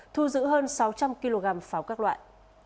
thu giữ hơn sáu trăm linh kg pháo các loại